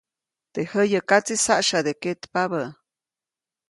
Teʼ jäyäkatsiʼ saʼsyade ketpabä.